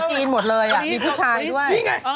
คุณหมอโดนกระช่าคุณหมอโดนกระช่า